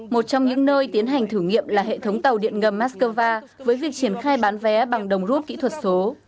một trong những nơi tiến hành thử nghiệm là hệ thống tàu điện ngầm moscow với việc triển khai bán vé bằng đồng rút kỹ thuật số